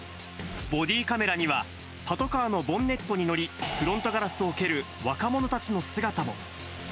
ボディカメラには、パトカーのボンネットに乗り、フロントガラスを蹴る若者たちの姿も。